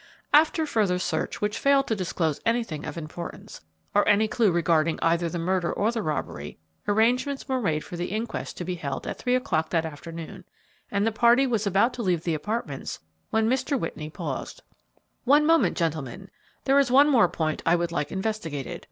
After further search which failed to disclose anything of importance, or any clue regarding either the murder or the robbery, arrangements were made for the inquest to be held at three o'clock that afternoon, and the party was about to leave the apartments, when Mr. Whitney paused. "One moment, gentlemen; there is one more point I would like investigated.